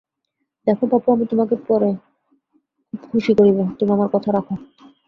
দেখ বাপু, আমি তােমাকে পরে খুব খুসী করিব, তুমি আমার কথা রাখ।